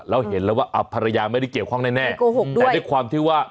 แล้วเห็นแล้วว่าภรรยาไม่ได้เกี่ยวข้องแน่โกหกด้วยแต่ด้วยความที่ว่า